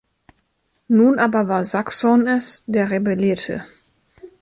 Nun aber war Saxon es, der rebellierte.